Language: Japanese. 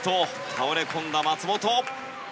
倒れこんだ松本。